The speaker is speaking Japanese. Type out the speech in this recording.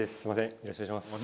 よろしくお願いします。